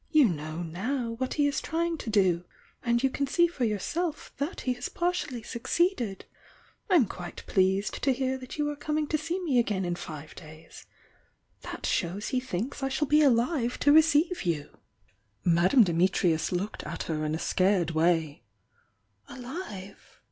"You know now what he is trying to do— and you can see for yourself that he has par tially succeeded ! I'm quite pleased to hear that you are coming to see me again in five days!— that shows he thinks I shall be alive to receive you!" 278 THE YOUNG DIANA 279 ^a"^^^ Dimitrius looked at her in a scared way Alive?